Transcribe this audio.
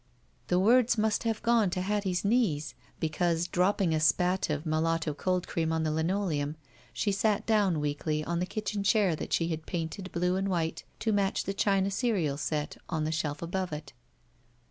The words must have gone to Hattie's knees, because, dropping a spat of mulatto cold cream on the linoleum, she sat down weakly on the kitchen chair that she had painted blue and white to match the china cereal set on the shelf above it.